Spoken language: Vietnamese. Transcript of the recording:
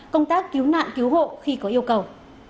công tác cứu nạn cứu hộ khi có yêu cầu